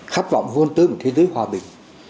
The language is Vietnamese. khát vọng vươn tới một thế giới hòa bình